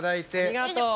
ありがとう。